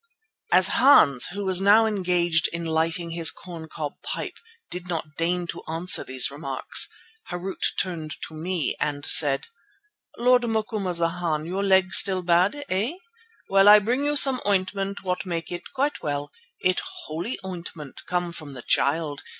As Hans, who now was engaged in lighting his corn cob pipe, did not deign to answer these remarks, Harût turned to me and said: "Lord Macumazana, your leg still bad, eh? Well, I bring you some ointment what make it quite well; it holy ointment come from the Child.